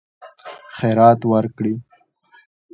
خیرات ورکړي.